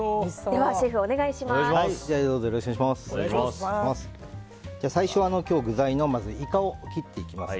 ではシェフ、お願いします。